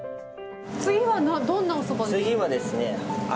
次はどんなおそばですか？